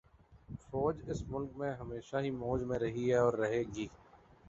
فوج اس ملک میں ہمیشہ سے ہی موج میں رہی ہے اور رہے گی